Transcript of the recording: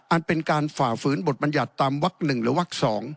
อันเป็นการฝ่าฝืนบทบัญญัติตามวัก๑หรือวัก๒